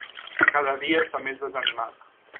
Cada dia està més desanimat.